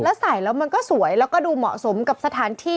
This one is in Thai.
แล้วใส่แล้วมันก็สวยแล้วก็ดูเหมาะสมกับสถานที่